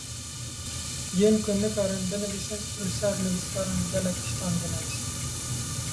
Yên ku nikarin binivîsin li ser nivîskaran gelek tiştan dinivîsin.